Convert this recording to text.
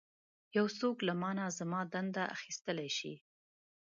یو څوک له مانه زما دنده اخیستلی شي.